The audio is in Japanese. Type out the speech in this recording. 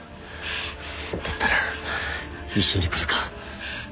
だったら一緒に来るか？